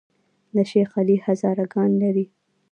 د شیخ علي هزاره ګان لري